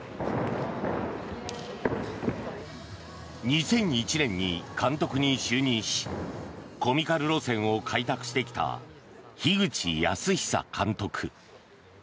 ２００１年に監督に就任しコミカル路線を開拓してきた樋口靖久監督。